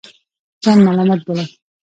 ځان ملامت بولم.